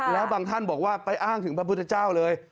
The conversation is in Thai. แล้วบางท่านบอกว่าไปอ้างถึงพระพุทธเจ้าเลย